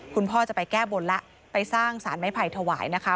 คุณพ่อจะไปแก้บนแล้วไปสร้างสารไม้ไผ่ถวายนะคะ